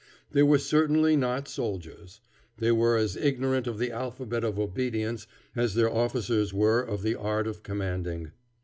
They were certainly not soldiers. They were as ignorant of the alphabet of obedience as their officers were of the art of commanding.